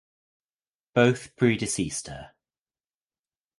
Both predeceased her.